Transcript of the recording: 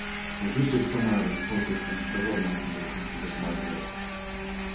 His research primarily focused on development in the countries of Maghreb.